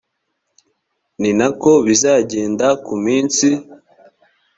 ni na ko bizagenda ku munsi